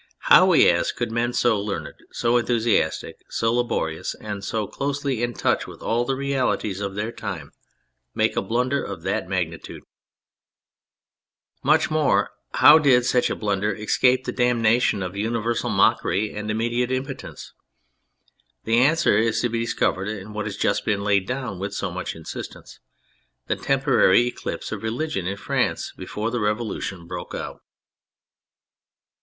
How, we ask, could men so learned, so enthusiastic, so laborious and so closely in touch with all the realities of their time, make a blunder of that magnitude ? Much more, how did such a blunder escape the damnation of universal mockery and im mediate impotence ? The answer is to be dis covered in what has just been laid down with so much insistence : the temporary eclipse of religion in France before the Revolution broke out.